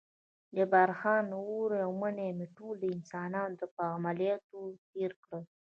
جبار خان: اوړی او منی مې ټول د انسانانو په عملیاتولو تېر کړل.